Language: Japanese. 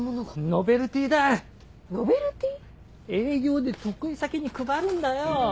ノベルティ？営業で得意先に配るんだよ。